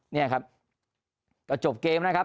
นี่ครับก็จบเกมนะครับ